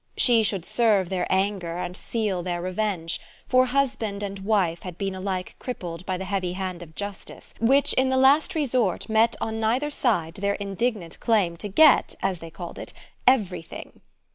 She should serve their anger and seal their revenge, for husband and wife had been alike crippled by the heavy hand of justice, which in the last resort met on neither side their indignant claim to get, as they called it, everything.